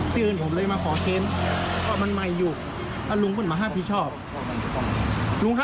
สืบแล้วผมเลยมาขอเช็น